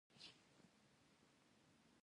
بده به نه وي چې یو مثال یې یاد کړو.